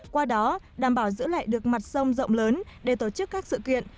qua đó đảm bảo giữ lại được mặt sông rộng lớn để tổ chức các sự kiện